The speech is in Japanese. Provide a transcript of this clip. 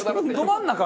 ど真ん中？